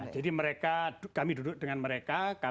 jadi kami duduk dengan mereka